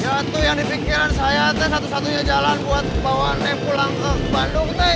ya tuh yang dipikiran saya atuh satu satunya jalan buat bawa ne pulang ke bandung teh